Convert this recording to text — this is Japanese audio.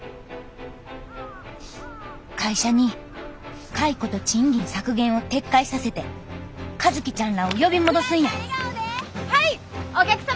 会社に解雇と賃金削減を撤回させて和希ちゃんらを呼び戻すんや福来さん